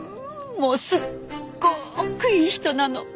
もうすっごくいい人なの。